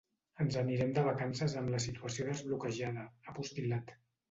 “Ens anirem de vacances amb la situació desbloquejada”, ha postil·lat.